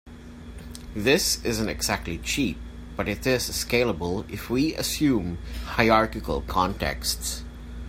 This isn't exactly cheap, but it is scalable if we assume hierarchical contexts.